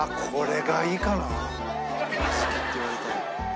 小豆って言われたら。